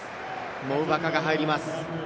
モウヴァカが入ります。